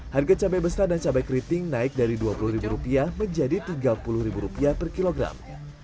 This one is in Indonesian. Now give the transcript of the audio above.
harga cabai besar dan cabai keriting naik dari dua puluh rupiah menjadi tiga puluh rupiah per kilogram